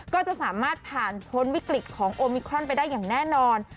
ก็จะสามารถผ่านพ้นวิกฤตของโอมิครอนไปได้อย่างแน่นอน